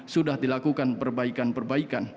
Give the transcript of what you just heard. sudah dilakukan perbaikan perbaikan